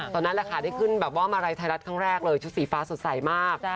ตอนนั้นได้ขึ้นมาลัยไทยรัฐชุดสีฟ้าสดใสมาก